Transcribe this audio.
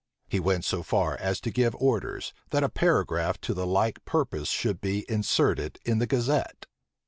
He went so far as to give orders, that a paragraph to the like purpose should be inserted in the gazette.